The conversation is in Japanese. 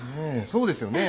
そうですよね。